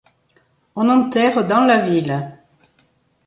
On enterre dans la ville.